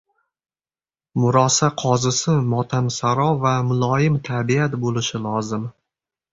Murosa qozisi motamsaro va muloyim tabiat bo`lishi lozim